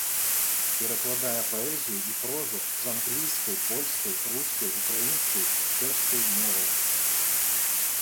Перакладае паэзію і прозу з англійскай, польскай, рускай, украінскай, чэшскай моваў.